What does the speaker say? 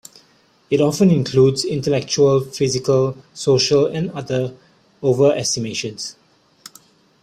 It often includes intellectual, physical, social and other overestimations.